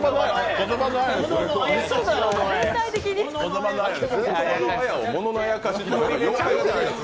言葉のあやを「もののあやかし」って。